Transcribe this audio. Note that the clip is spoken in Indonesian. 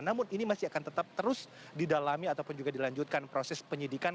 namun ini masih akan tetap terus didalami ataupun juga dilanjutkan proses penyidikan